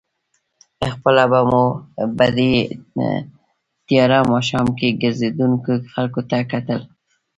خپله به مو په دې تېاره ماښام کې ګرځېدونکو خلکو ته کتل.